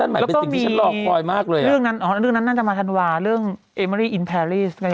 ไม่อยากคือกับตอยังดูไม่จริง